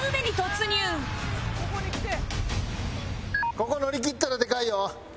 ここ乗り切ったらでかいよ。